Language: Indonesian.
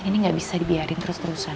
ini gak bisa dibiarkan terus terusan